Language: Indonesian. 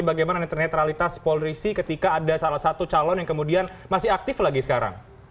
bagaimana netralitas polri sih ketika ada salah satu calon yang kemudian masih aktif lagi sekarang